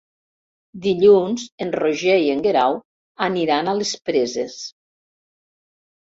Dilluns en Roger i en Guerau aniran a les Preses.